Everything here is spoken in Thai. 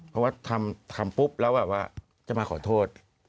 เพราะว่าทำปุ๊บแล้วแบบว่าจะมาขอโทษ